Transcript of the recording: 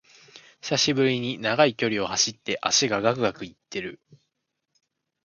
久しぶりに長い距離を走って脚がガクガクいってる